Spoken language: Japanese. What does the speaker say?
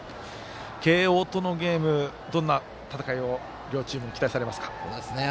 慶応とのゲームどんな戦いを両チームに期待されますか？